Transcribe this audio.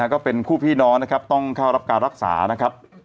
ก็เป็นคู่พี่น้องนะครับต้องเข้ารับการรักษานะครับ